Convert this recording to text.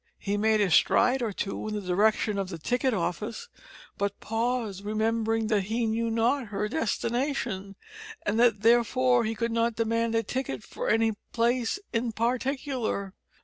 He made a stride or two in the direction of the ticket office, but paused, remembering that he knew not her destination, and that therefore he could not demand a ticket for any place in particular.